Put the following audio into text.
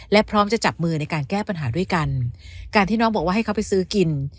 และพร้อมจะจับมือในการแก้ปัญหาด้วยกันการที่น้องบอกว่าให้เขาไปซื้อกิน